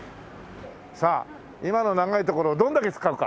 さあ今の長いところをどんだけ使うか。